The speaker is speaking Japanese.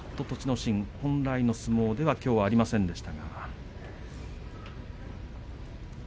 心は本来の相撲ではきょうはありませんでした。